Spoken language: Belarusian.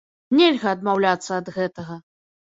Нельга адмаўляцца ад гэтага.